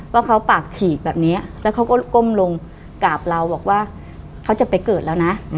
ว่าเขาปากฉีกแบบนี้แล้วเขาก็ก้มลงกราบเราบอกว่าเขาจะไปเกิดแล้วนะ